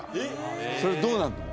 それどうなるの？